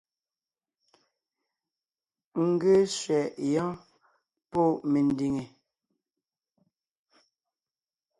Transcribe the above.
N ge sẅɛ yɔ́ɔn pɔ́ mendìŋe!